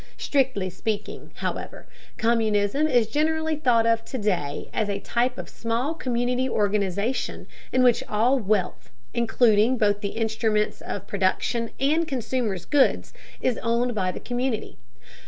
Strictly speaking, however, communism is generally thought of to day as a type of small community organization in which all wealth, including both the instruments of production and consumers' goods, is owned by the community.